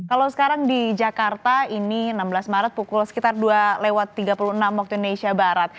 kalau sekarang di jakarta ini enam belas maret pukul sekitar dua tiga puluh enam waktu indonesia barat